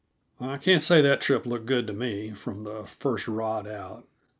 I can't say that trip looked good to me, from the first rod out.